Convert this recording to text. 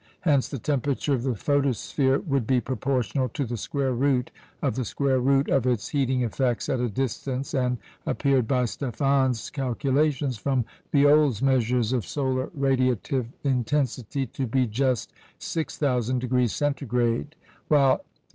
Hence the temperature of the photosphere would be proportional to the square root of the square root of its heating effects at a distance, and appeared, by Stefan's calculations from Violle's measures of solar radiative intensity, to be just 6,000° C.; while M. H.